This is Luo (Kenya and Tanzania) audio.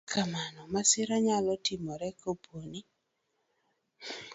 Kata kamano, masira nyalo timore kapo ni